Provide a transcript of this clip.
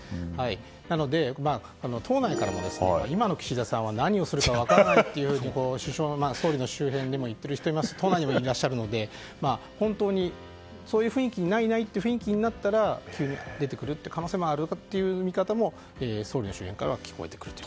なので、党内からも今の岸田さんは何をするか分からないと首相周辺でも言っている人が都内でもいらっしゃるので本当にない、ないという雰囲気になったら選挙の可能性もあるという見方も総理の周辺からは聞こえてくるという。